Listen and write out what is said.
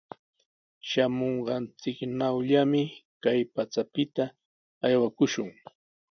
Shamunqanchiknawllami kay pachapita aywakushun.